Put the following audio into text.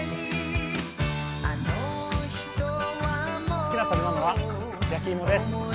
好きな食べ物は焼き芋です。